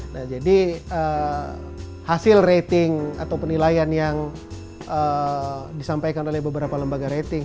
nah jadi hasil rating atau penilaian yang disampaikan oleh beberapa lembaga rating